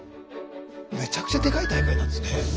めちゃくちゃでかい大会なんですね。